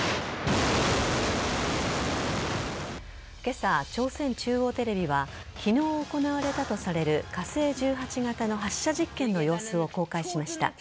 今朝、朝鮮中央テレビは昨日行われたとされる火星１８型の発射実験の様子を公開しました。